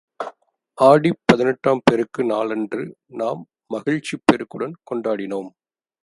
ஆடிப் பதினெட்டாம் பெருக்கு நாளன்று நாம் மகிழ்ச்சிப் பெருக்குடன் கொண்டாடினோம்.